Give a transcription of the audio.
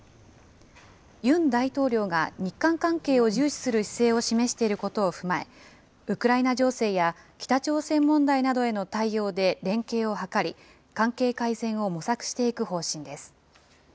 ユン大統領が日韓関係を重視する姿勢を示していることを踏まえ、ウクライナ情勢や北朝鮮問題などへの対応で連携を図り、関係改善を模索していく方針です。